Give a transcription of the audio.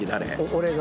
俺が。